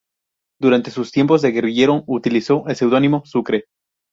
Durante sus tiempos de guerrillero utilizó el seudónimo ""Sucre"".